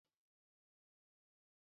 تعلیم د ټولنې په پرمختګ کې مهم رول لري.